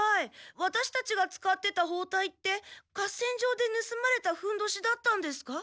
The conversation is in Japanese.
ワタシたちが使ってたほうたいって合戦場でぬすまれたふんどしだったんですか？